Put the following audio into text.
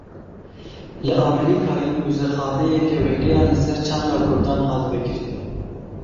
Li Amerîkayê muzexaneyeke wêneyan li ser çanda Kurdan hat vekirin.